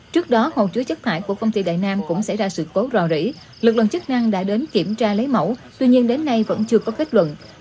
trước đó hồ chứa chất thải của công ty đại nam cũng xảy ra sự cố rò rỉ lực lượng chức năng đã đến kiểm tra lấy mẫu tuy nhiên đến nay vẫn chưa có kết luận